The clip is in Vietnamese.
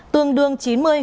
tương đương chín mươi bảy